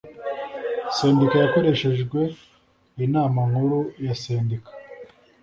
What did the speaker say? sendika yakoreshejwe inama nkuru ya sendika